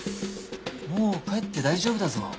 もう帰って大丈夫だぞ。